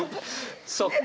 そっか。